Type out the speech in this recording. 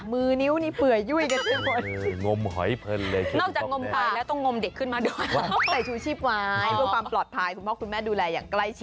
มือนิ้วนี้เผื่อยร่อย